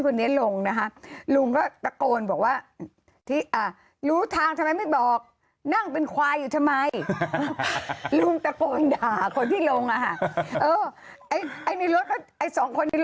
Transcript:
เขาก็มาเป็นเราเลยทำงี้